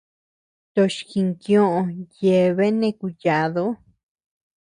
Toch jinkioʼö yabean nëʼe kuyadu.